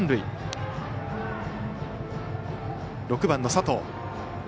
６番の佐藤。